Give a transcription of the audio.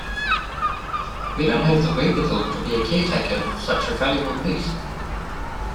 We don't have the wherewithal to be a caretaker of such a valuable piece.